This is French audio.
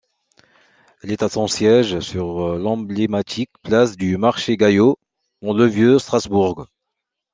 Elle a son siège sur l'emblématique place du Marché Gayot, dans le vieux Strasbourg.